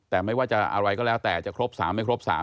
แต่ไม่ว่าจะอะไรก็แล้วแต่จะครบ๓ไม่ครบ๓